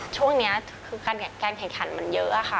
ช่วงนี้คือการแข่งขันมันเยอะค่ะ